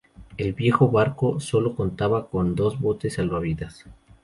El viejo barco sólo contaba con dos botes salvavidas.